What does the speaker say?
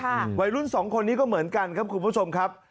วัยรุ่นสองคนนี้ก็เหมือนกันครับคุณผู้ชมครับ